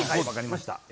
分かりました。